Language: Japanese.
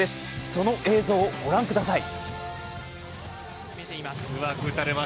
その映像をご覧ください。